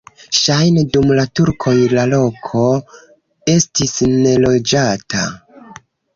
Ŝajne dum la turkoj la loko estis neloĝata.